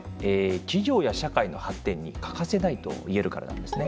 企業や社会の発展に欠かせないと言えるからなんですね。